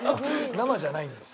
生じゃないんです。